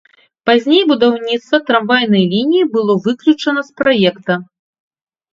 Пазней будаўніцтва трамвайнай лініі было выключана з праекта.